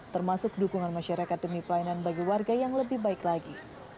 termasuk dukungan masyarakat demi pelayanan bagi warga yang lebih baik lagi